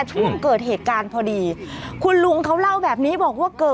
ช่วงเกิดเหตุการณ์พอดีคุณลุงเขาเล่าแบบนี้บอกว่าเกิด